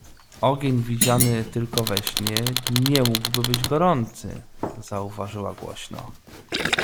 — Ogień widziany tylko we śnie nie mógłby być gorący! — zauważyła głośno.